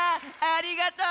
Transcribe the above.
ありがとち！